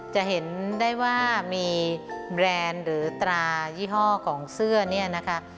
จะเห็นได้ว่ามีแบรนด์หรือตรายี่ห้อของเสื้อเนี่ยนะคะ